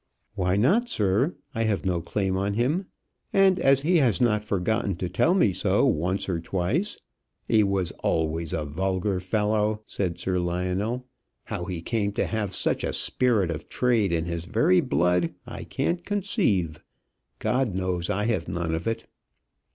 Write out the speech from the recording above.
"Why not, sir? I have no claim on him. And as he has not forgotten to tell me so once or twice " "He was always a vulgar fellow," said Sir Lionel. "How he came to have such a spirit of trade in his very blood, I can't conceive. God knows I have none of it."